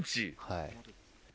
はい。